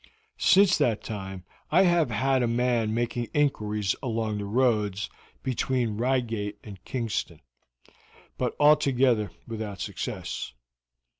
Since that time I have had a man making inquiries along the roads between Reigate and Kingston, but altogether without success.